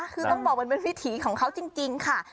คือต้องบอกมันเป็นวิถีของเขาจริงค่ะ